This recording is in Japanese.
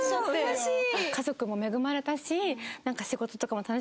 うれしい！